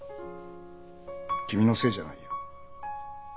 君のせいじゃないよ。